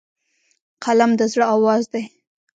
قلم د زړه آواز دی